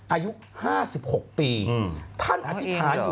อายุ๕๖ปี